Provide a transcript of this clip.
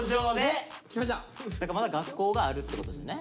まだ学校があるってことですよね。